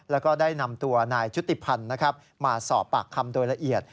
แล้วก็ได้นำตัวนายชุติพันธ์มาสอบปากคำโดยละเอียด